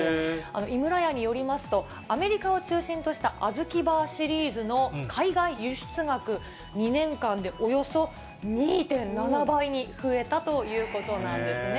井村屋によりますと、アメリカを中心としたあずきバーシリーズの海外輸出額、２年間でおよそ２．７倍に増えたということなんですね。